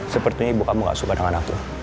sepertinya ibu kamu gak suka dengan aku